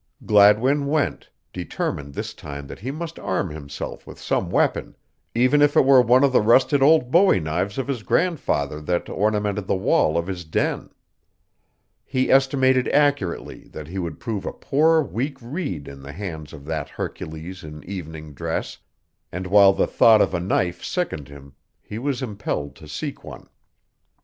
Gladwin went, determined this time that he must arm himself with some weapon, even if it were one of the rusted old bowie knives of his grandfather that ornamented the wall of his den. He estimated accurately that he would prove a poor weak reed in the hands of that Hercules in evening dress, and while the thought of a knife sickened him, he was impelled to seek one.